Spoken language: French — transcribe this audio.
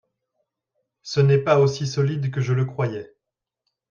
Ce n'était pas aussi solide que je le croyais.